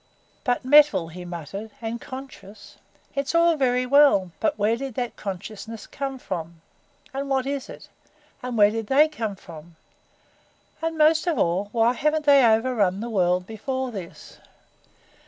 "But metal," he muttered, "and conscious. It's all very well but where did that consciousness come from? And what is it? And where did they come from? And most of all, why haven't they overrun the world before this?